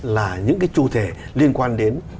là những cái chủ thể liên quan đến